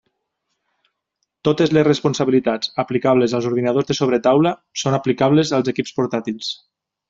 Totes les responsabilitats aplicables als ordinadors de sobretaula són aplicables als equips portàtils.